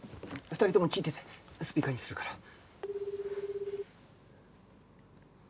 ２人とも聞いててスピーカーにするから。